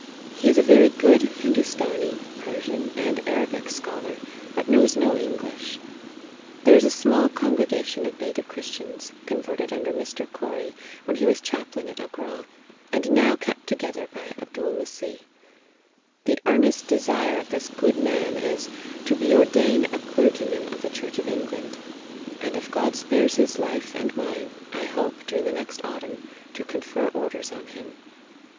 He is a very good Hindoostanee, Persian, and Arabic scholar, but knows no English. There is a small congre gation of native Christians, converted under Mr. Corrie, when he was chaplain at Agra, and now kept together by Abdool Messeeh. The earnest de sire of this good man is, to be ordained a clergyman of the church of England ; and if God spares his life and mine, I hope, during the next autumn, to confer orders on him.